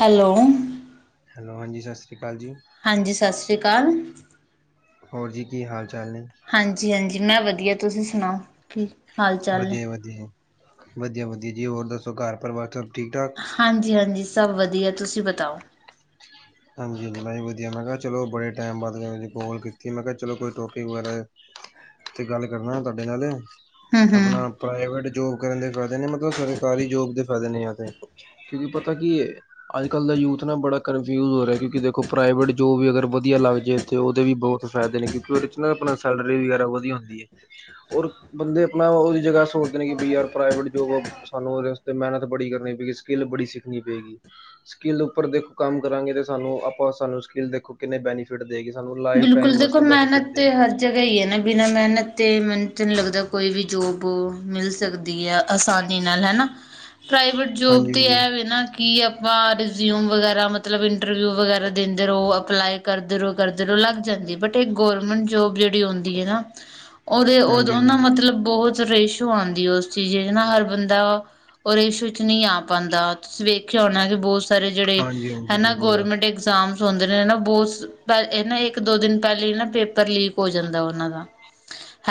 Hello! Hello! ਹਾਂਜੀ, ਸਤਿ ਸ਼੍ਰੀ ਅਕਾਲ ਜੀ। ਹਾਂਜੀ, ਸਤਿ ਸ਼੍ਰੀ ਅਕਾਲ। ਹੋਰ ਜੀ ਕੀ ਹਾਲ ਚਾਲ ਨੇ ਹਾਂਜੀ -ਹਾਂਜੀ, ਮੈਂ ਵਧੀਆ, ਤੁਸੀਂ ਸੁਣਾਓ ਕਿ ਹਾਲ- ਚਾਲ ਨੇ? ਵਧੀ ਵਧੀਆ- ਵਧੀਆ ਜੀ, ਹੋਰ ਦੱਸੋ ਘਰ -ਪਰਿਵਾਰ ਸਭ ਠੀਕ- ਠਾਕ? ਹਾਂਜੀ -ਹਾਂਜੀ, ਸਭ ਵਧੀਆ ਤੁਸੀਂ ਬਤਾਓ? ਹਾਂਜੀ- ਹਾਂਜੀ, ਮੈਂ ਵੀ ਵਧੀਆ। ਮੈਂ ਕਿਹਾ ਚਲੋ ਬੜੇ ਟਾਈਮ ਬਾਅਦ ਮੈ ਕੋਲ ਕੀਤੀ। ਮੈਂ ਕਿਹਾ ਚਲੋ ਕੋਈ ਟੋਪੀਕ ਵਗੈਰਾ ਤੇ ਗੱਲ ਕਰਨਾ ਤੁਹਾਡੇ ਨਾਲ। ਹੂੰ ਹੂੰ ਆਪਣਾ ਪ੍ਰਾਈਵੇਟ ਜੋਬ ਕਰਨ ਦੇ ਫਾਇਦੇ ਨੇ, ਮਤਲਬ ਸਰਕਾਰੀ ਜੋਬ ਦੇ ਫਾਇਦੇ ਨੇ ਕਿਉਂਕਿ ਪਤਾ ਕਿ ਏ ਅੱਜ- ਕੱਲ ਦਾ ਯੂਥ ਨਾ ਬੜਾ ਕਰ ਜ਼ ਹੋ ਰਿਹਾ ਕਿਉਂਕਿ ਦੇਖੋ ਪ੍ਰਾਈਵੇਟ ਜੋ ਵੀ ਅਗਰ ਵਧੀਆ ਲੱਗ ਜਾਏ ਇੱਥ ਉਹਦੇ ਵੀ ਬਹੁਤ ਫਾਇਦੇ ਨੇ ਕਿਉਂਕਿ ਆਪਣਾ ਸੈਲਰੀ ਵਗੈਰਾ ਵਧੀਆ ਹੁੰਦੀ ਹੈ। ਔਰ ਬੰਦੇ ਆਪਣਾ ਉਹਦੀ ਜਗ੍ਹਾ ਸੋਚਦੇ ਨੇ ਕਿ ਬਈ ਯਾਰ ਪ੍ਰਾਈਵੇਟ ਜੋਬ ਸਾਨੂੰ ਉਹਦੇ ਵਾਸਤੇ ਮਿਹਨਤ ਬੜੀ ਕਰਨੀ ਪਏਗੀ। ਸਕਿੱਲ ਬੜੀ ਸਿੱਖਣੀ ਪਏਗੀ ਸਕਿੱਲ ਉੱਪਰ ਦੇਖੋ ਕੰਮ ਕਰਾਂਗੇ ਤੇ ਸਾਨੂੰ ਆਪਾਂ ਸਾਨੂੰ ਸਕਿੱਲ ਦੇਖੋ ਕਿੰਨੇ ਬੈਨੀਫਿਟ ਦੇਗੀ ਸਾਨੂੰ ਲਾਈਫ ਬਿਲਕੁਲ ਟਾਈਮ ਦੇਖੋ ਵਾਸਤੇ ਬੈਫਿਟ ਮਿਹਨਤ ਤੇ ਦੇਗੀ। ਹਰ ਜਗ੍ਹਾ ਹੀ ਹੈ ਨਾ। ਬਿਨਾਂ ਮਿਹਨਤ ਦੇ ਮੈਨੂੰ ਨਈ ਲੱਗਦਾ ਕੋਈ ਵੀ ਜੋਬ ਮਿਲ ਸਕਦੀ ਹੈ। ਆਸਾਨੀ ਨਾਲ, ਹਨਾ ਪ੍ਰਾਈਵੇਟ ਜੋਬ ਹਾਂਜੀ ਤੇ ਹਾਂਜੀ ਇਹ ਵੀ ਨਾ ਕੀ ਆਪਾਂ ਰਿਜ਼ਿਊਮ ਵਗੈਰਾ ਮਤਲਬ ਇੰਟਰਵਿਊ ਵਗੈਰਾ ਦਿੰਦੇ ਰਹੋ ਅਪਲਾਈ ਕਰਦੇ ਰਹੋ ਕਰਦੇ ਇਧਰੋਂ ਲੱਗ ਜਾਂਦੀ। ਬਟ ਇੱਕ ਗੌਰਮੈਂਟ ਜੋੌਬ ਜਹੜੀ ਹੁੰਦੀ ਹੈ ਨਾ ਉਹਦੇ ਹਾਂਜੀ ਹਾਂਜੀ ਉਹਨਾਂ ਮਤਲਬ ਬਹੁਤ ਰੇਸ਼ੋ ਆਉਂਦੀ ਉਸ ਚੀਜ਼ ਚ ਨਾ। ਹਰ ਬੰਦਾ ਉਹ ਰੇਸ਼ੋ ਚ ਨਹੀਂ ਆ ਪਾਂਦਾ। ਤੁਸੀਂ ਵੇਖਿਆ ਹੋਣਾ ਕਿ ਬਹੁਤ ਸਾਰੇ ਜਿਹੜੇ ਹਾਂਜੀ ਹਾਂਜੀ ਹਨਾ ਬਿਲਕੁਲ ਗੌਰਰਮੈਂਟ ਇਗਜ਼ਾਮਸ ਹੁੰਦੇ ਨੇ ਹਨ ਬਹੁਤ ਪਹਿਲੇ ਨਾ ਇੱਕ -ਦੋ ਦਿਨ ਪਹਿਲੇ ਨਾ ਪੇਪਰ ਲੀਕ ਹੋ ਜਾਂਦਾ ਉਹਨਾਂ ਦਾ।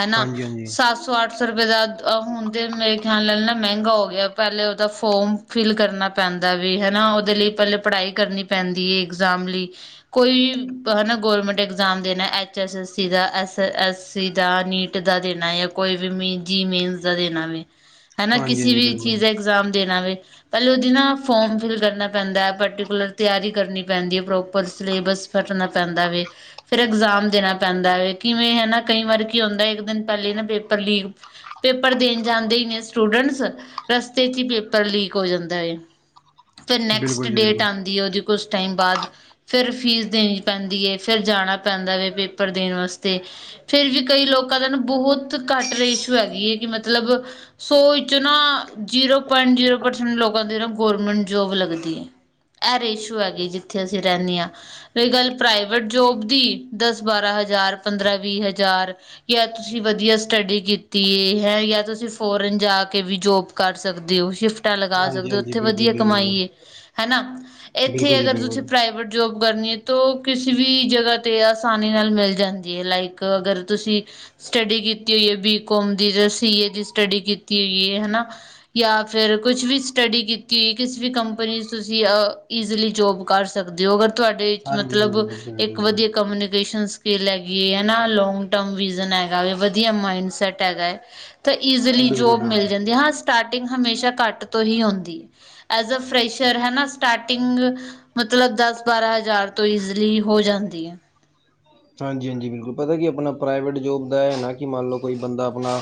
ਹਨਾ ਹਾਂਜੀ ਹਾਂਜੀ ਸੱਤ ਸੌ -ਅੱਠ ਸੌ ਰੁਪਏ ਦਾ ਹੁਣ ਤੇ ਮੇਰੇ ਖਿਆਲ ਨਾਲ ਨਾ ਮਹਿੰਗਾ ਹੋ ਗਿਆ ਪਹਿਲੇ ਉਹਦਾ ਫੋਮ ਫਿਲ ਕਰਨਾ ਪੈਂਦਾ ਵੀ ਹਨਾ ਉਹਦੇ ਲਈ ਪਹਿਲੇ ਪੜ੍ਹਾਈ ਕਰਨੀ ਪੈਂਦੀ ਹੈ ਇਗਜ਼ਾਮ ਲਈ। ਕੋਈ ਵੀ ਹੈ ਨਾ ਗੌਰਮੈਂਟ ਇਗਜ਼ਾਮ ਦੇਣਾ ਐੱਚ ਐੱਸ ਐੱਸ ਸੀ ਦਾ ਐੱਸ ਐੱਸ ਸੀ ਦਾ ਨੀਟ ਦਾ ਦੇਣਾ ਆ ਕੋਈ ਵੀ ਮਿੱਗੀ ਮਿਲਸ ਦਾ ਦੇਣਾ ਵੇ। [unintelligible] ਹਨਾ ਕਿਸੇ ਹਾਂਜੀ ਵੀ ਚੀਜ਼ ਬਿਲਕੁਲ ਦਾ ਇਗਜ਼ਾਮ ਦੇਣਾ ਵੇ। ਪਹਿਲੇ ਉਹਦੀ ਨਾ ਫੋਰਮ ਫਿਲ ਕਰਨਾ ਪੈਂਦਾ। ਪਰਟੀਕੁਲਰ ਤਿਆਰੀ ਕਰਨੀ ਪੈਂਦੀ ਹੈ। ਪ੍ਰੋਪਰ ਸਿਲੇਬਸ ਪੈਂਦਾ ਵੇ। ਫਿਰ ਇਗਜ਼ਾਮ ਦੇਣਾ ਪੈਂਦਾ ਹੈ ਕਿਵੇਂ ਹਨਾ ਕਈ ਵਾਰੀ ਕੀ ਹੁੰਦਾ ਇੱਕ ਦਿਨ ਪਹਿਲੇ ਨਾ ਪੇਪਰ ਲੀਕ ਪੇਪਰ ਦੇਣ ਜਾਂਦੇ ਹੀ ਨੇ ਸਟੂਡੈਂਟਸ ਰਸਤੇ 'ਚ ਹੀ ਪੇਪਰ ਲੀਕ ਹੋ ਜਾਂਦਾ ਹੈ। ਫਿਰ ਨੈਕਸਟ ਬਿਲਕੁਲ ਜੀ ਡੇਟ ਬਿਲਕੁਲ ਆਉਂਦੀ ਹੈ ਉਹਦੀ ਕੁਛ ਟਾਈਮ ਬਾਅਦ। ਫਿਰ ਫੀਸ ਦੇਣੀ ਪੈਂਦੀ ਹੈ। ਫਿਰ ਜਾਣਾ ਪੈਂਦਾ ਵੇ ਪੇਪਰ ਦੇਣ ਵਾਸਤੇ। ਫਿਰ ਵੀ ਕਈ ਲੋਕਾਂ ਦਾ ਬਹੁਤ ਘੱਟ ਰੇਸ਼ੋ ਹੈਗੀ ਹੈ ਕਿ ਮਤਲਬ ਸੌ ਵਿੱਚੋ ਨਾ ਜੀਰੋ ਪੁਆਇੰਟ ਜੀਰੋ ਪਰਸੈਂਟ ਲੋਕਾਂ ਦੀ ਨਾ ਗੌਰਮੈਂਟ ਜੋਬ ਲੱਗਦੀ ਹੈ। ਐ ਰੇਸ਼ੋ ਹੈਗੀ ਜਿੱਥੇ ਅਸੀਂ ਰਹਿੰਦੇ ਹਾਂ। ਮੇਰੀ ਗੱਲ ਪ੍ਰਾਈਵੇਟ ਜੋਬ ਦੀ ਦਸ -ਬਾਰਾਂ ਹਜ਼ਾਰ, ਪੰਦਰਾਂ -ਵੀਹ ਹਜ਼ਾਰ ਜਾਂ ਤੁਸੀਂ ਵਧੀਆ ਸਟੱਡੀ ਕੀਤੀ ਹੈ, ਜਾਂ ਤੁਸੀਂ ਫੋਰਨ ਜਾ ਕੇ ਵੀ ਜੋਬ ਕਰ ਸਕਦੇ ਹੋ। ਸ਼ਿਫਟਾਂ ਲੱਗਾ ਸਕਦੇ ਹੋ। ਹਾਂਜੀ-ਹਾਂਜੀ, ਉੱਥੇ ਵਧੀਆ ਬਿਲਕੁਲ-ਬਿਲਕੁਲ। ਕਮਾਈ ਹੈ। ਹੈ ਨਾ। ਬਿਲਕੁਲ ਬਿਲਕੁਲ ਬਿਲਕੁਲ ਇੱਥੇ ਜੀ ਅਗਰ ਬਿਲਕੁਲ। ਤੁਸੀਂ ਪ੍ਰਾਈਵੇਟ ਜੋਬ ਕਰਨੀ ਹੈ ਤਾਂ ਕਿਸੇ ਵੀ ਜਗ੍ਹਾ ਤੇ ਆਸਾਨੀ ਨਾਲ ਮਿਲ ਜਾਂਦੀ ਹੈ ਲਾਈਕ ਅਗਰ ਤੁਸੀਂ ਸਟੱਡੀ ਕੀਤੀ ਹੋਈ ਹੈ ਬੀਕੌਮ ਦੀ ਜਾਂ ਸੀ ਏ ਦੀ ਸਟੱਡੀ ਕੀਤੀ ਹੋਈ ਹੈ ਹਨਾ ਜਾਂ ਫਿਰ ਕੁਛ ਵੀ ਸਟੱਡੀ ਕੀਤੀ ਏ ਕਿਸੇ ਵੀ ਕੰਪਨੀ 'ਚ ਤੁਸੀਂ ਈਜ਼ਲੀ ਜੋਬ ਕਰ ਸਕਦੇ ਹੋ, ਅਗਰ ਤੁਹਾਡੇ ਚ ਮਤਲਬ ਹਾਂਜੀ-ਹਾਂਜੀ, ਬਿਲਕੁਲ ਜੀ ਬਿਲਕੁਲ। ਕਮਿਊਨਿਕੈਸ਼ਨ ਸਕਿਲ਼ ਹੈਗੀ ਹਨਾ ਲੋਂਗ ਟਰਮ ਹੈਗਾ, ਵਧੀਆ ਮਾਇਡ ਸੈਟ ਹੈਗਾ ਹੈ। ਤਾਂ ਈਜ਼ਲੀ ਜੋਬ ਮਿਲ ਬਿਲਕੁਲ-ਬਿਲਕੁਲ। ਜਾਂਦੀ ਹਾਂ ਸਟਾਰਟਿੰਗ ਹਮੇਸ਼ਾ ਘੱਟ ਤੋਂ ਹੀ ਹੁੰਦੀ ਹੈ। ਐਸ ਏ ਫਰੈਸ਼ਰ ਹਨਾ ਸਟਾਰਟਿੰਗ ਮਤਲਬ ਦਸ- ਬਾਰਾਂ ਹਜ਼ਾਰ ਤੋਂ ਈਜ਼ਲੀ ਹੋ ਜਾਂਦੀ ਹੈ। ਹਾਂਜੀ -ਹਾਂਜੀ ਬਿਲਕੁਲ ਪਤਾ ਕਿ ਆਪਣਾ ਪ੍ਰਾਈਵੇਟ ਜੋਬ ਦਾ ਹੈ ਨਾ ਕਿ ਮੰਨ ਲਓ ਕੋਈ ਬੰਦਾ ਆਪਣਾ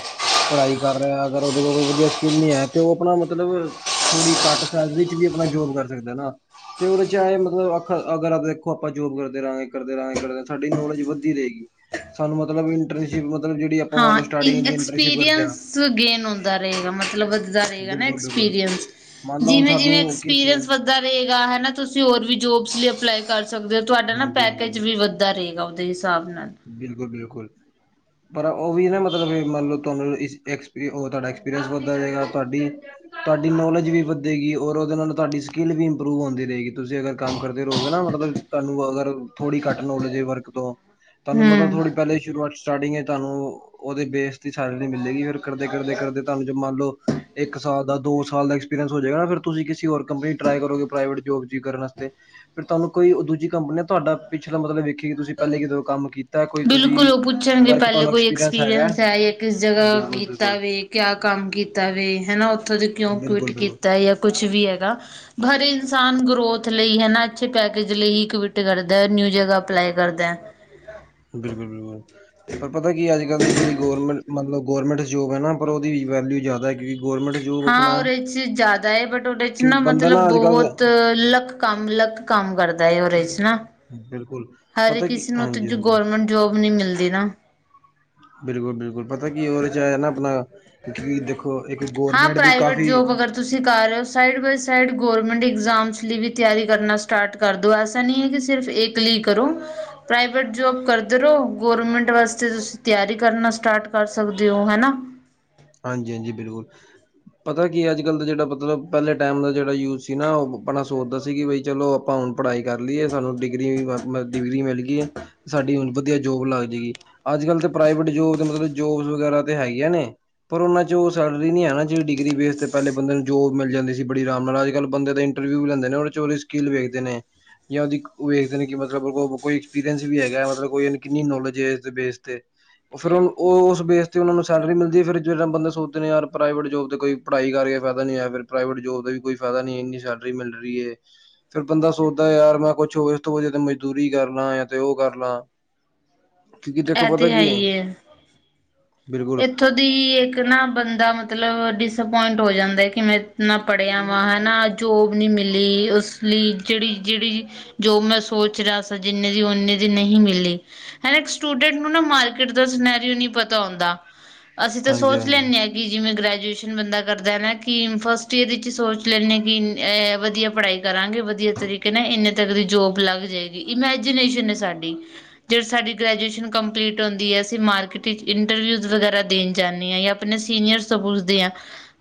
ਪੜ੍ਹਾਈ ਕਰ ਰਿਹਾ ਅਗਰ ਉਹਦੇ ਕੋਲ ਕੋਈ ਵਧੀਆ ਸਕਿਲ ਨੀ ਹੈ ਤੇ ਉਹ ਆਪਣਾ ਮਤਲਬ ਥੋੜ੍ਹੀ ਘੱਟ ਸੈਲਰੀ ਚ ਵੀ ਆਪਣਾ ਜੋਬ ਕਰ ਸਕਦਾ ਨਾ। ਤੇ ਉਹਦੇ ਚਾਹੇ ਮਤਲਬ ਅਗਰ ਦੇਖੋ ਆਪਾਂ ਜੋਬ ਕਰਦੇ ਰਹਾਂਗੇ, ਕਰਦੇ ਰਹਾਂਗੇ ਕਰ ਸਾਡੀ ਨੌਲੇਜ ਵੱਧਦੀ ਰਹੇਗੀ, ਸਾਨੂੰ ਮਤਲਬ ਇੰਟਰਨਸ਼ਿਪ ਮਤਲਬ ਜਿਹੜੀ ਆਪਾਂ ਮੰਨ ਹਾਂ ਲਓ ਸਟਾਰਟਿੰਗ ਇੰਟਰਨਸ਼ਿਪ ਕਰਦੇ ਹਾਂ ਐਕਸਪੀਰੀਅੰਸ ਗੇਨ ਹੁੰਦਾ ਰਹੇਗਾ ਮਤਲਬ ਵਧੱਦਾ ਰਹੇਗਾ ਬਿਲਕੁਲ ਬਿਲਕੁਲ ਐਕਸਪੀਰੀਐਂਸ, ਮੰਨ ਲਓ ਹੁਣ ਜਿਵੇ -ਜਿਵੇਂ ਸਾਨੂੰ ਕਿਸੇ ਐਕਸਪੀਰੀਐਂਸ ਰਹੇਗਾ ਹਨਾ ਤੁਸੀਂ ਹੋਰ ਵੀ ਜੋਬਸ ਲਈ ਅਪਲਾਈ ਕਰ ਕਰ ਸਕਦੇ ਹੋ ਤੁਹਾਡਾ ਨਾ ਹਾਂਜੀ ਹਾਂਜੀ ਪੈਕੇਜ ਵੀ ਵੱਧਾ ਰਹੇਗਾ ਉਹਦੇ ਹਿਸਾਬ ਨਾਲ। ਬਿਲਕੁਲ, ਬਿਲਕੁਲ ਪਰ ਉਹ ਵੀ ਨਾ ਮਤਲਬ ਮੰਨਲੋ ਤੁਹਾਨੂੰ ਵੀ ਉਹ ਤੁਹਾਡਾ ਐਕਸਪੀਰੀਅੰਸ ਵੱਧਦਾ ਜਾਏਗਾ, ਤੁਹਾਡੀ ਤੁਹਾਡੀ ਨੌਲੇਜ ਵੀ ਵੱਧੇਗੀ ਔਰ ਉਹਦੇ ਨਾਲ ਤੁਹਾਡੀ ਸਕਿੱਲ ਵੀ ਇੰਪਰੂਵ ਹੁੰਦੀ ਰਹੇਗੀ। ਤੁਸੀਂ ਅਗਰ ਕੰਮ ਕਰਦੇ ਰਹੋਗੇ ਨਾ ਮਤਲਬ ਤੁਹਾਨੂੰ ਅਗਰ ਥੋੜੀ ਘੱਟ ਨੋਲਜ ਵਰਕ ਤੋਂ ਤੁਹਾਨੂੰ ਮਤਲਬ ਹਮ ਥੋੜੀ ਪਹਿਲੇ ਸ਼ੁਰੂਆਤ ਚ ਸਟਾਰਟਿੰਗ ਤੁਹਾਨੂੰ ਉਹਦੇ ਬੇਸ ਸੈਲਰੀ ਮਿਲੇਗੀ ਫ਼ਿਰ ਕਰਦੇ- ਕਰਦੇ- ਕਰਦੇ ਤੁਹਾਨੂੰ ਜੋ ਮੰਨ ਲਓ ਇੱਕ ਸਾਲ ਦਾ, ਦੋ ਸਾਲ ਦਾ ਐਕਸਪੀਰੀਐਂਸ ਹੋ ਜਾਏਗਾ ਤੇ ਕਿਸੀ ਹੋਰ ਕੰਪਨੀ ਟਰਾਈ ਕਰੋਗੇ ਪ੍ਰਾਈਵੇਟ ਜੋਬ ਤੁਸੀ ਕਰਨ ਵਾਸਤੇ। ਫਿਰ ਤੁਹਾਨੂੰ ਕੋਈ ਦੂਜੀ ਕੰਪਨੀ ਆ ਤੁਹਾਡਾ ਪਿਛਲਾ ਮਤਲਬ ਵੇਖੇ ਕਿ ਤੁਸੀਂ ਪਹਿਲੇ ਕਿੱਤੇ ਬਿਲਕੁਲ ਉਹ ਪੁੱਛਣਗੇ ਪਹਿਲੇ ਤੁਹਾਨੂੰ ਕੋਈ ਐਕਸਪੀਰੀਅੰਸ ਹੈਗਾ ਐਕਸਪੀਰੀਐਂਸ ਹੈ ਜਾਂ ਕਿਸ ਜਗ੍ਹਾ ਬਿਲਕੁਲ ਕੀਤਾ ਬਿਲਕੁਲ ਵੇ ਕਿਆ ਕੰਮ ਕੀਤਾ ਵੇ ਹਨਾ ਉੱਥੋਂ ਦੇ ਕਿਉਂ ਕੁਵਿਟ ਬਿਲਕੁਲ ਬਿਲਕੁਲ ਕੀਤਾ ਹੈ ਜਾਂ। ਕੁਛ ਵੀ ਹੈਗਾ ਹਰੇ ਇਨਸਾਨ ਗਰੋਥ ਲਈ ਹਨ ਅੱਛੇ ਪੈਕੇਜ ਲਈ ਇਕਵਿਟ ਕਰਦਾ ਹੈ ਨਿਊ ਜਗ੍ਹਾ ਅਪਲਾਈ ਕਰਦਾ। ਬਿਲਕੁਲ -ਬਿਲਕੁਲ ਪਰ ਪਤਾ ਕੀ ਅੱਜ ਕੱਲ ਦੀ ਜਿਹੜੀ ਗਰਮੈਂਟ ਮਤਲਬ ਗੌਰਮੈਂਟ ਜੋਬ ਹੈ ਨਾ ਪਰ ਉਹਦੀ ਵੈਲਿਊ ਜ਼ਿਆਦਾ ਹੈਗੀ ਕਿਉਂਕਿ ਗੌਰਮੈਂਟ ਜੋਬ ਹਾਂ ਆਪਣਾ ਉਹਦੇ ' ਜ਼ਿਆਦਾ ਹੈ ਬਟ ਉਹਦੇ ' ਕਿ ਨਾ ਬੰਦਾ ਮਤਲਬ ਅੱਜ ਬਹੁਤ ਕੱਲ੍ਹ ਲੱਕ ਕੰਮ ਲੱਕ ਕੰਮ ਕਰਦਾ ਹੈ ਉਹਦੇ ਚ ਨਾ। ਬਿਲਕੁਲ। ਹਰ ਪਤਾ ਕੀ ਕਿਸੇ ਨੂੰ ਹਾਂਜੀ ਹਾਂਜੀ ਗੌਰਮੈਂਟ ਜੋਬ ਨੀ ਮਿਲਦੀ ਨਾ। ਬਿਲਕੁਲ -ਬਿਲਕੁਲ ਪਤਾ ਕੀ ਉਹਦੇ ਚ ਨਾ ਆਪਣਾ ਦੇਖੋ ਇੱਕ ਹਾਂ ਗੌਰਮੈਂਟ ਦੀ ਪ੍ਰਾਈਵੇਟ ਜ ਕਾਫ਼ੀ ਜੋਬ ਅਗਰ ਤੁਸੀਂ ਕਰ ਰਹੇ ਹੋ side by side government exams ਲਈ ਵੀ ਤਿਆਰੀ ਕਰਨਾ ਸਟਾਰਟ ਕਰ ਦੋ ਐਸਾ ਨਹੀਂ ਹੈ ਕਿ ਸਿਰਫ ਇੱਕ ਕਰੋ ਪ੍ਰਾਈਵੇਟ ਜੋਬ ਕਰਦੇ ਰਹੋ ਗਰਮੈਂਟ ਵਾਸਤੇ ਤੁਸੀਂ ਤਿਆਰੀ ਕਰਨਾ ਸਟਾਰਟ ਕਰ ਸਕਦੇ ਹੋ ਹਨਾ। ਹਾਂਜੀ -ਹਾਂਜੀ ਬਿਲਕੁਲ। ਪਤਾ ਕੀ ਅੱਜ ਕੱਲ੍ਹ ਦਾ ਜਿਹੜਾ ਮਤਲਬ ਪਹਿਲੇ ਟਾਈਮ ਦਾ ਜਿਹੜਾ ਯੂਜ ਸੀ ਨਾ ਉਹ ਬੜਣਾ ਸੋਚਦਾ ਸੀ ਕਿ ਬਈ ਚਲੋ ਆਪਾਂ ਹੁਣ ਪੜ੍ਹਾਈ ਕਰ ਲਈਏ ਸਾਨੂੰ ਡਿਗਰੀ, ਡਿਗਰੀ ਮਿਲ ਗਈ ਹੈ। ਸਾਡੀ ਹੁਣ ਵਧੀਆ ਜੋਬ ਲੱਗ ਜਾਏਗੀ ਅੱਜ ਕੱਲ ਤਾਂ ਪ੍ਰਾਈਵੇਟ ਜੋਬ ਮਤਲਬ ਜੋਬਸ ਵਗੈਰਾ ਤਾਂ ਹੈਗੀਆਂ ਨੇ। ਪਰ ਉਹਨਾਂ ਚ ਉਹ ਸੈਲਰੀ ਨੀ ਹੈ ਨਾ ਜਿਹੀ ਡਿਗਰੀ ਬੇਸ ਤੇ ਪਹਿਲੇ ਬੰਦੇ ਨੂੰ ਜੋਬ ਮਿਲ ਜਾਂਦੀ ਸੀ ਬੜੀ ਆਰਾਮ ਨਾਲ ਅੱਜ ਕੱਲ੍ਹ ਬੰਦੇ ਦੇ ਇੰਟਰਵਿਊ ਲੈਂਦੇ ਨੇ ਉਦੇ ਚ ਉਦੀ ਸਕੀਲ ਵੇਖਦੇ ਨੇ। ਜਾਂ ਉਹਦੀ ਵੇਖਦੇ ਨੇ ਮਤਲਬ ਕੋਈ ਐਕਸਪੀਰੀਅੰਸ ਵੀ ਹੈਗਾ ਮਤਲਬ ਬ ਕਿੰਨੀ ਨੋਲੇਜ ਹੈ ਬੇਸ ਤੇ। ਫਿਰ ਉਹ ਉਹ ਉਸ ਬੇਸ ਤੇ ਉਹ ਨੂੰ ਸੈਲਰੀ ਮਿਲਦੀ ਫਿਰ ਜਿਦਾਂ ਬੰਦੇ ਸੋਚਦੇ ਨੇ ਯਾਰ ਪ੍ਰਾਈਵੇਟ ਜੋਬ ਤੇ ਕੋਈ ਪੜ੍ਹਾਈ ਕਰਕੇ ਫਾਇਦਾ ਨੀ ਹੈ ਫਿਰ ਪ੍ਰਾਈਵੇਟ ਜੋਬ ਦਾ ਵੀ ਕੋਈ ਪਤਾ ਨੀ ਇੰਨੀ ਸੈਲਰੀ ਮਿਲ ਰਹੀ। ਫੇਰ ਬੰਦਾ ਸੋਚਦਾ ਯਾਰ ਮੈਂ ਕੁੱਛ ਹੋਰ ਇਸ ਤੋਂ ਜੇਦ ਮਜ਼ਦੂਰੀ ਕਰ ਲਾਂ ਜਾਂ ਤੇ ਉਹ ਕਰ ਲਾਂ ਕਿਉਂਕਿ ਦੇਖੋ ਇਹ ਪਤਾ ਤੇ ਹੈ ਕੀਏ ਹੀ ਹੈ ਇੱਥੋਂ ਦੀ ਇੱਕ ਨਾਂ ਬੰਦਾ ਮਤਲਬ ਡਿਸਪੋਇੰਟ ਹੋ ਜਾਂਦਾ ਕਿਵੇਂ ਨਾਂ ਪੜ੍ਹਿਆ ਵਾਂ ਹਨਾਂ ਜੋਬ ਨੀਂ ਮਿਲੀ ਉਸ ਲਈ ਜਿਹੜੀ ਜਿਹੜੀ ਜੋ ਮੈਂ ਸੋਚ ਰਿਆ ਸਾਂ, ਜਿੰਨੇ ਦੀ ਓਨੇ ਦੀ ਨਹੀਂ ਮਿਲੀ। ਹਨਾ ਇੱਕ ਸਟੂਡੈਂਟ ਨੂੰ ਨਾ ਮਾਰਕੀਟ ਦਾ ਸਨੈਰੀਓ ਨਹੀ ਪਤਾ ਹੁੰਂਦਾ ਅਸੀਂ ਤਾਂ ਹਾਂਜੀ ਸੋਚ ਹਾਂਜੀ ਲੈਂਦੇ ਹਾਂ। ਕਿ ਜਿਵੇਂ ਗ੍ਰੈਜੂਏਸ਼ਨ ਬੰਦਾ ਕਰਦਾ ਨਾ ਕਿ ਫਸਟ ਈਅਰ ਵਿੱਚ ਸੋਚ ਲੈਂਦੇ ਹਾਂ ਕਿ ਵਧੀਆ ਪੜ੍ਹਾਈ ਕਰਾਂਗੇ ਵਧੀਆ ਤਰੀਕੇ ਨਾਲ ਇੰਨੇ ਤੱਕ ਦੀ ਜੋਬ ਲੱਗ ਜਏਗੀ। ਇਮੈਜੀਨੇਸ਼ਨ ਏ ਸਾਡੀ ਜਿਹੜੇ ਸਾਡੀ ਗ੍ਰੈਜੂਏਸ਼ਨ ਕੰਪਲੀਟ ਹੁੰਦੀ ਐ ਅਸੀਂ ਮਾਰਕੀਟ ਇੰਟਰਵਿਊ ਵਗੈਰਾ ਦੇਣ ਜਾਂਦੀ ਹਾਂ ਜਾਂ ਆਪਣੇ ਸੀਨੀਅਰ ਤੋਂ ਪੁਛਦੇ ਆਂ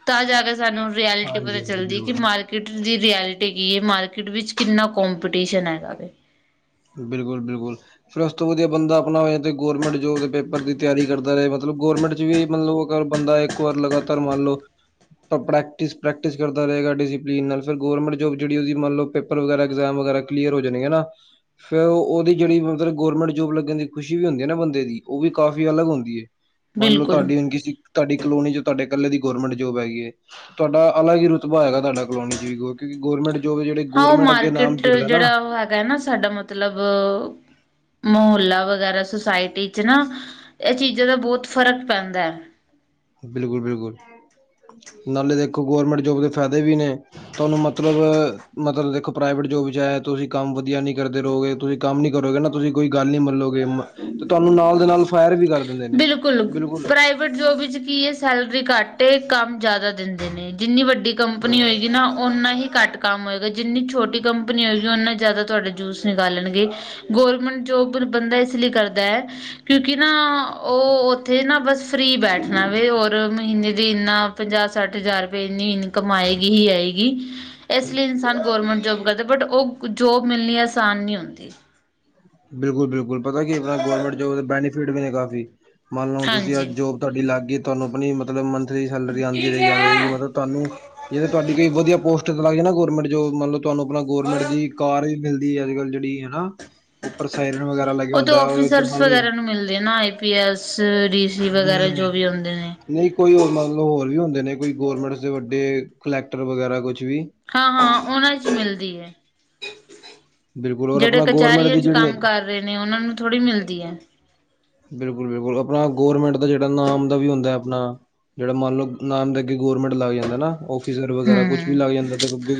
ਤਾਂ ਜਾ ਕੇ ਸਾਨੂੰ ਰਿਐਲਿਟੀ ਪਤਾ ਹਾਂਜੀ ਹਾਂਜੀ ਚੱਲਦੀ ਕਿ ਬਿਲਕੁਲ ਮਾਰਕੀਟ ਦੀ ਰਿਐਲਿਟੀ ਕੀ ਐ? ਮਾਰਕੀਟ ਵਿੱਚ ਕਿੰਨਾ ਕੋਪੀਟੀਸ਼ਨ ਐ। ਬਿਲਕੁਲ ਬਿਲਕੁ ਫੇਰ ਉਸ ਤੋਂ ਵਧੀਆ ਬੰਦਾ ਆਪਣਾ ਹੋਇਆ ਤੇ ਗਵਰਮੈਂਟ ਜੋਬ ਦੇ ਪੇਪਰ ਦੀ ਤਿਆਰੀ ਕਰਦਾ ਰਹੇ ਮਤਲਬ ਮਤਲਬ ਗੌਰਮੈਂਟ ਚ ਵੀ ਮਤਲਬ ਅਗਰ ਬੰਦਾ ਇੱਕ ਵਾਰ ਲਗਾਤਾਰ ਮੰਨ ਲੋਓ ਤਾਂ ਪ੍ਰੈਕਟਿਸ ਪ੍ਰੈਕਟਿਸ ਕਰਦਾ ਰਹੇਗਾ ਡਿਸਿਪਲਿਨ ਨਾਲ ਫਿਰ ਗੌਰਰਮੈਂਟ ਜੋਬ ਜਿਹੜੀ ਉਹਦੀ ਮੰਨ ਲਓ ਪੇਪ ਪਰ ਵਗੈਰਾ, ਐਗਜ਼ਾਮ ਵਗੈਰਾ ਕਲੀਅਰ ਹੋ ਜਾਣਗੇਂ ਨਾਂ। ਫੇਰ ਉਹਦੀ ਜਿਹੜੀ ਮਤਲਬ ਗੌਰਰਮੈਂਟ ਜੋਬ ਲੱਗਣ ਦੀ ਖੁਸ਼ੀ ਵੀ ਹੁੰਦੀ ਐਨਾਂ ਬੰਦੇ ਦੀ ਉਹ ਵੀ ਕਾਫ਼ੀ ਅਲੱਗ ਹੁੰਦੀ ਏ ਮੰਨ ਲੋਓ ਬਿਲਕੁਲ ਤੁਹਾਡੀ ਹੁਣ ਕਿਸੇ ਤੁਹਾਡੀ ਕਲੋਨੀ ਚ ਤੁਹਾਡੇ ਕੱਲੇ ਦੀ ਗੌਰਰਮੈਂਟ ਜੋਬ ਹੈਗੀ ਏ, ਤੁਹਾਡਾ ਅਲਗ ਹੀ ਰੁਤਬਾ ਹੋਏਗਾ ਤੁਹਾਡਾ ਕਲੋਨੀ ਚ ਵੀ ਕਿਉਂਕ ਗੌਰਮੈਂਟ ਜੋ ਹੈ ਜਿਹੜੇ ਗੌਰਰਮੈਂਟ ਅੱਗੇ ਨਾਮ ਜੁੜਦੇ ਨਾਂ ਏਨਾਂ ਸਾਡਾ ਮਤਲਬ, ਮੁਹੱਲਾ ਵਗੈਰਾ ਸੁਸਾਇਟੀ ਚ ਨਾਂ ਇਹ ਚੀਜ਼ਾਂ ਦਾ ਬਹੁਤ ਫ਼ਰਕ ਪੈਂਦਾ। ਬਿਲਕੁਲ ਬਿਲਕੁਲ, ਨਾਲੇ ਦੇਖੋ ਗੌਰਮੈਂਟ ਜੋਬ ਦੇ ਫਾਇਦੇ ਵੀ ਨੇ ਤੁਹਾਨੂੰ ਮਤਲਬ ਮਤਲਬ ਦੇਖੋ ਪ੍ਰਾਈਵੇਟ ਜੋਬ ਚ ਆ ਤੁਸੀਂ ਕੰਮ ਵਧੀਆ ਨੀਂ ਕਰਦੇ ਰਹੋਗੇ ਤੁਸੀਂ ਕੰਮ ਨੀ ਕਰੋਗੇ ਨਾਂ ਤੁਸੀਂ ਕੋਈ ਗੱਲ ਨੀਂ ਮੰਲੋਗੇੇ, ਤੁਹਾਨੂੰ ਨਾਲ ਦੇ ਨਾਲ ਫਾਇਰ ਵੀ ਕਰ ਦਿੰਦੇ ਨੇ ਬਿਲਕੁਲ। ਪ੍ਰਵੇਟ ਜੋਬ ਵਿੱਚ ਕੀ ਇਹ ਸੈਲਰੀ ਘੱਟ ਐ, ਕੰਮ ਜ਼ਿਆਦਾ ਦਿੰਦੇ ਨੇਂ, ਜਿੰਨੀ ਵੱਡੀ ਕੰਪਨੀ ਹੋਏਗੀ ਨਾਂ ਓਨਾਂ ਹੀ ਘੱਟ ਕੰਮ ਹੋਏਗਾ, ਜਿੰਨੀ ਛੋਟੀ ਕੰਪਨੀ ਹੋਏਗੀ ਉਨਾਂ ਜ਼ਿਆਦਾ ਤੁਆਡਾ ਜੂਸ ਨਿਕਾਲਣਗੇ‌। ਗੌਰਮੈਂਟ ਜੋਬ ਬੰਦਾ ਇਸ ਲਈ ਕਰਦਾ ਏ, ਕਿਉਂਕਿ ਨਾਂ ਹਾਂ। ਉਹ ਅ ਉੱਥੇ ਨਾਂ ਬਸ ਫਰੀ ਬੈਠਣਾ ਵੇ, ਔਰ ਹਮ ਮਹੀਨੇ ਦੀ ਇੰਨਾਂ ਪੰਜਾਹ-ਸੱਠ ਹਜ਼ਾਰ ਰੁਪਏ ਇੰਨੀ ਇ ਕਮਾਏਗੀ ਹੀ ਆਏਗੀ ਇਸ ਲਈ ਇਨਸਾਨ ਗੌਰਮੈਂਟ ਜੋਬ ਕਰਦੇ ਬਟ ਉਹ ਜੋਬ ਮਿਲਣੀ ਅਸਾਨ ਨਹੀਂ ਹੁੰਦੀ। ਬਿਲਕੁਲ ਬਿਲਕੁਲ, ਪਤਾ ਕੀ ਆਪਣਾ ਗੌਰਰਮੈਂਟ ਜੋਬ ਦੇ ਬੈਨੀਫਿਟ ਵੀ ਨੇ ਕਾਫੀ ਮੰਨ ਲਓੁ ਤੁਸੀਂ ਅੱਜ ਹਾਂਜੀ ਜੋਬ ਤੁਹਾਡੀ ਲੱਗਗੀ ਤੁਹਾਨੂੰ ਆਪਣੀ ਮਤਲਬ ਮੰਥਲੀ ਸੈਲਰੀ ਆਂਦੀ ਰਹੀਗੀ ਆਂਦੀ ਮਤਲਬ ਤੁਹਾਨੂੰ ਜਿਹੜੇ ਤੁਹਾਡੀ ਕੋਈ ਵਧੀਆ ਪੋਸਟ ਤਾਂ ਲੱਗ ਜਾ ਨਾਂ ਗੌਰਰਮੈਂਟ ਜੋ ਮਤਲਬ ਤੁਹਾਨੂੰ ਆਪਣਾ ਗਰਮਟ ਦੀ ਕਾਰ ਹੀ ਮਿਲ ਦੀ ਅੱਜ-ਕੱਲ੍ਹ ਜਿਹੜੀ ਹਨਾਂ। ਉਹਦ ਤੇ ਆਫਿਸਰਸ ਮੰਨ ਵਗੈਰਾ ਨੂੰ ਮਿਲਦੇ ਨਾਂ ਆਈ ਪੀ ਐੱਸ, ਡੀ ਸੀ ਵਗੈਰਾ ਜੋ ਵੀ ਹੁੰਦੇ ਨੇਂ। ਨਈਂ ਕੋਈ ਔ ਮਤਲਬ ਹੋਰ ਵੀ ਹੁੰਦੇ ਨੇਂ, ਕੋਈ ਗਰਮੈਂਟ ਦੇ ਵੱਡੇ ਕਲੈਕਟਰ ਵਗੈਰਾ ਕੁਛ ਵੀ ਹਾਂ ਹਾਂ, ਉਹਨਾ ਚ ਮਿਲਦੀ ਐ। ਬਿਲਕੁਲ ਔਰ ਜਿਹੜੇ ਆਪਣਾ ਗੌਰਮੈਂਟ ਕਚਹਿਰੀਆਂ ਦੀ ਚ ਜਿਹੜੀ ਕੰਮ ਕਰ ਰਹੇ ਨੇਂ, ਉਹਨਾਂ ਨੂੰ ਥੋੜ੍ਹੀ ਮਿਲਦੀ ਐ। ਬਿਲਕੁਲ ਬਿਲਕੁਲ, ਆਪਣਾ ਗੌਰਮੈਂਟ ਦਾ ਜਿਹੜਾ ਨਾਮ ਦਾ ਵੀ ਹੁੰਦਾ ਆਪਣਾ ਜਿਹੜਾ ਮੰਨ ਲਓ ਨਾਮ ਦੇ ਕੇ ਗੌਰਮੈਂਟ ਲੱਗ ਜਾਂਦਾ ਨਾਂ! ਉਹ [unintelligible] ਵਗਰਾ ਕੁਛ ਵੀ ਹੂੰ ਲੱਗ ਜਾਂਦਾ,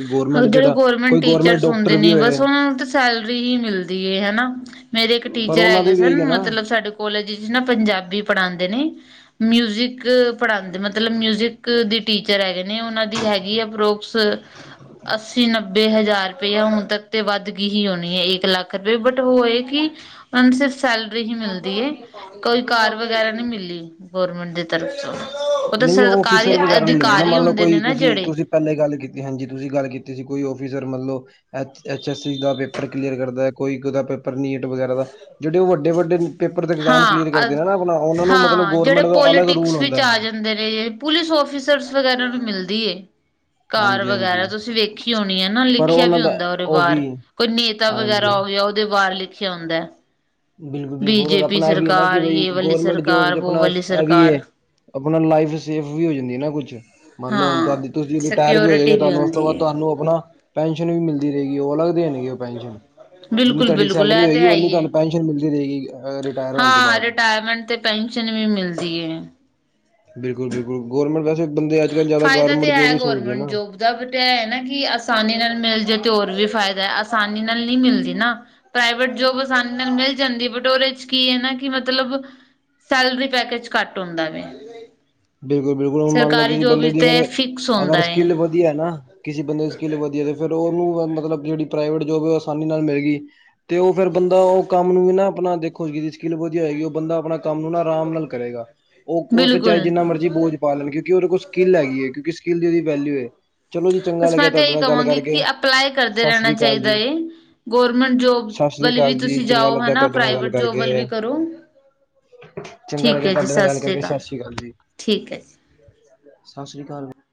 ਗੋਰਮੇਂਟ ਜਿਹੜੇ ਜਿਹੜਾ ਕੋਈ ਗੌਰਮੈਂਟ ਗੋਰਮੇਂਟ ਟੀਚਰਸ ਡਾਕਟਰ ਹੁੰਦੇ ਵੀ ਨੇ ਹੋਏ। ਬਸ ਉਹਨਾਂ ਨੂੰ ਤਾਂ ਸੈਲਰੀ ਹੀ ਮਿਲਦੀ ਏ ਹਨਾਂ। ਮੇਰੇ ਇੱਕ ਪਰ ਟੀਚਰ ਉਹਨਾਂ ਹੈਗੇ ਦੇ ਵੀ ਸਨ ਇਹੀ ਹੈ ਨਾ ਮਤਲਬ ਸਾਡੇ ਕੋਲ ਕੋਲੇਜ ਇੱਚ ਨਾਂ ਪੰਜਾਬੀ ਪੜ੍ਹਾਂਦੇ ਨੇਂ ਮਿਊਜਿਕ ਪੜ੍ਹਾਂਦੇ, ਮਤਲਬ ਮਿਊਜਿਕ ਦੀ ਟੀਚਰ ਹੈਗੇ ਨੇਂ ਉਹਨਾਂ ਹੈਗੀ ਆ ਪਰੋਕਸ ਅੱਸੀ-ਨੱਬੇ ਹਜ਼ਾਰ ਰੁਪਇਆ, ਹੁਣ ਤੱਕ ਤੇ ਵੱਧ ਗਈ ਹੀ ਹੋਣੀ ਹੈ ਇੱਕ ਲੱਖ [unintelligible] ਬਟ ਉਹ ਇਹ ਕਿ ਉਹਨਾਂ ਨੂੰ ਸਿਰਫ਼ ਸੈਲਰੀ ਹੀ ਮਿਲਦੀ ਏ, ਕੋਈ ਕਾਰ ਵਗੈਰਾ ਨਈਂ ਮਿਲੀ। ਗੌਰਮੈਂਟ ਦੀ ਤਰਫ ਤੋਂ ਉਹ ਤਾਂ ਨਹੀਂ ਆਫਿਸਰ ਸਰਕਾਰੀ ਅਧਿਕਾਰੀ ਹੁੰਦੇ ਨੇ ਨਾ ਜਿਹੜੇ ਪਹਿਾਂ ਗੱਲ ਕੀਤੀ ਹਾਂਜੀ ਤੁਸੀਂ ਗੱਲ ਕੀਤੀ ਸੀ ਕੋਈ ਔਫਿਸਰ ਮੰਤਲੋ ਐਚਸ ਦਾ ਪੇਪਰ ਕਲੀਅਰ ਕਰਦਾ ਹੈ ਕੋਈਦਾ ਪੇਪਰ ਨੀਟ ਵਗੈਰਾ ਦਾ ਜਿਹੜੇ ਉਹ ਵੱਡੇ ਵੱਡੇ ਪੇਪਰ ਦੇ ਇ ਐਗਜ਼ਾਮ ਹਾਂ ਕਲੀਅਰ ਅ ਕਰਦੇ ਨੇ ਨਾ ਆਪਣਾ ਉਹਨਾ ਨੂੰ ਮਤਲਬ ਹਾਂ ਜਿਹੜੇ ਗੌਰਰਮੈਂਟ ਦਾ ਅਲੱਗ ਰੂਲ ਪੋਲੀਟਿਕਸ ਵਿੱਚ ਹੁੰਦਾ ਆ ਹੈ ਨੇ ਪੁਲਿਸ ਫਿਸਰ ਵਗੈਰਾ ਵੀ ਮਿਲਦੀ ਘ ਹਾਂਜੀ ਹਾਂਜੀ ਵਗੈਰਾ ਤੁਸੀਂ ਵੇਖੀ ਹੋਣੀ ਹੈ ਨਾ ਪਰ ਲਿਖਿਆ ਉਹਨਾਂ ਵੀ ਦਾ ਹੁੰਦਾ ਉਹਦੇ ਉਹ ਬਾਹਰ ਵੀ ਕੋਈ ਨੇਤਾ ਹਾਂਜੀ। ਵਗੈਰਾ ਹੋ ਗਿਆ ਦੇ ਵਾਰ ਲਿਖਿਆ ਆੁੰਦਾ ਹੈ ਬਿਲਕੁਲ ਬੀ ਬਿਲਕੁਲ ਔਰ ਜੇ ਪੀ ਆਪਣਾ ਇਹ ਵੀ ਹੈ ਨਾ ਕਿ ਸਰਕਾਰ ਬਈ ਯੇ ਵਾਲੀ ਗੌਰਰਮੈਂਟ ਸਰਕਾਰ ਜੋਬ ਵੋ ਆਪਣਾ ਵਾਲੀ ਇਹ ਵੀ ਹੈ ਸਰਕਾਰ ਆਪਣਾ ਲਾਈਫ ਸੇਫ ਵੀ ਹੋ ਜਾਂਦੀ ਹੈ ਨਾ ਕੁਛ ਮਤਲਬ ਹੁਣ ਹਾਂ ਤੁ ਤੁਸੀਂ ਰਿਟਾਇਰ ਵੀ ਹੋ ਜਾ ਸਕਿਓਰਿਟੀ ਤੁਹਾਨੂੰ ਉਸ ਤੋਂ ਹੁੰਦੀ ਬਾਅਦ ਹੈ। ਤੁਹਾਨੂੰ ਆਪਣਾ ਪੈਨਸ਼ਨ ਵੀ ਮਿਲ ਰਹੇਗੀ ਉਹ ਲੱਗਦੀਆਂ ਨੇਗੇ ਉਹ ਪੈਨਸ਼ਨ ਜਿੰਨੀ ਬਿਲਕੁਲ ਤੁਹਾਡੀ ਬਿਲਕੁਲ ਸੈਲਰੀ ਇਹ ਤੇ ਹੋਏਗੀ ਹੈ ਉਓਨੀ ਹੀ ਹੈ। ਤੁਹਾਨੂੰ ਪੈਨਸ਼ਨ ਮਿਲਦੀ ਰਹੇਗੀ ਰਿਟਾਇਰ ਹੋਣ ਤੋਂ ਬਾਅਦ ਰਿਟਾਇਰਮੇਂਟ ਤੇ ਪੈਨਸ਼ਨ ਵੀ ਮਿਲਦੀ ਹੈ ਬਿਲਕੁਲ ਬਿਲਕੁਲ ਗਰਮਟ ਵੈਸੇ ਬੰਦੇ ਅੱਜ ਕੱਲ੍ਹ ਜ਼ਿਆ ਫਾਇਦਾ ਤੇ ਗੌਰਮੈਂਟ ਜੋ ਹੈ ਵੀ ਸੋਚਦੇ ਹੋ ਗੌਰਮੈਂਟ ਨਾ ਜੋਬ ਬਟ ਇਹ ਹੈ ਨਾ ਕਿ ਆਸਾਨੀ ਨਾਲ ਮਿਲ ਜਾਵੇ ਤੇ ਹੋਰ ਵੀ ਫਾਇਦਾ ਹੈ ਆਸਾਨੀ ਨਾਲ ਨਹੀਂ ਮਿਲਦੀ ਨਾ ਪ੍ਰਾਈਵੇਟ ਜੋਬ ਆਸਾਨ ਨਾਲ ਮਿਲ ਜਾਂਦੀ ਬਟੋਰੇ ਚ ਕੀ ਹੈ ਨਾ ਕਿ ਮਤਲਬ ਸੈਲਰੀ ਪੈਕੇਜ ਘੱਟ ਹੁੰਦਾ ਵ ਬਿਲਕੁਲ ਬਿਲਕੁਲ ਹੁਣ ਮੰਨ ਲ ਜੋਬ ਬੰਦੇ ਵਿੱਚ ਦੀ ਤੇ ਅਗਰ ਫਿਕਸ ਅਗਰ ਹੁੰਦਾ ਏ ਸਕਿੱਲ ਵਧੀਆ ਨਾ ਕਿਸੇ ਬੰਦੇ ਦੀ ਸਕਿੱਲ ਵਧੀਆ ਤੇ ਫਰ ਉਹਨੂੰ ਮਤਲਬ ਜਿਹੜੀ ਪ੍ਰਾਈਵੇਟ ਜੋਬ ਆਸਾਨੀ ਨਾਲ ਮਿਲ ਗਈ ਤੇ ਉਹ ਫ਼ਿਰ ਬੰਦਾ ਉਹ ਕੰਮ ਨੂੰ ਵੀ ਨਾ ਆਪਣਾ ਦੇਖੋਦੀ ਸਕਿੱਲ ਵਧੀਆ ਹੋਏਗੀ ਉਹ ਬੰਦਾ ਆਪਣਾ ਕੰਮ ਨੂੰ ਨਾ ਆਰਾਮ ਨਾਲ ਕਰੇਗਾ ਉਹ ਉਹ ਤੇ ਚਾਹੇ ਬਿਲਕੁਲ ਜਿੰਨਾ ਮਰਜ਼ੀ ਬੋਝ ਪਾਲਣਉਕਿ ਉਹਦੇ ਕੋਲ ਸਕਿੱਲ ਹੈਗੀ ਹੈ ਕਿਉਂਕ ਸਕਿੱਲ ਉਹਦੀ ਵੈਲਿਊ ਹੈ ਚਲੋ ਜੀ ਚੰਗਾ ਬਸ ਮੈਂ ਲੱਗਿਆ ਤੇ ਤੁਹਾਡੇ ਇਹੀ ਨਾਲ ਗੱਲ ਕਵਾਂਗੀ ਕਰਕੇ ਕਿ ਅਪਲਾਈ ਕਰਦੇ ਸਤਿ ਰਹਿਣਾ ਸ੍ਰੀ ਅਕਾਲ ਚਾਹੀਦਾ ਜੀ ਏ ਗੌਰਮੈਂਟ ਜੋਬ ਸਤਿ ਸ੍ਰੀ ਵੱਲ ਵੀ ਅਕਾਲ ਜੀ ਤੁਸੀਂ ਚੰਗਾ ਜਾਓ ਲੱਗਾ ਹਨਾ ਤੁਹਾਡੇ ਨਾਲ ਗੱਲ ਪ੍ਰਾਈਵੇਟ ਜੋਬ ਵੱਲ ਕਰਕੇ ਵੀ ਕਰੋ ਚੰਗਾ ਠੀਕ ਲੱਗਿਆ ਹੈ ਜੀ ਤੁਹਾਡੇ ਨਾਲ ਸਤਿ ਗੱਲ ਕਰਕੇ ਸਤਿ ਸ੍ਰੀ ਅਕਾਲ ਜੀ ਠੀਕ ਹੈ ਜੀ ਸਤਿ ਸ੍ਰੀ ਅਕਾਲ